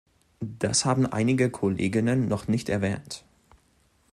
Das haben einige KollegInnen noch nicht erwähnt.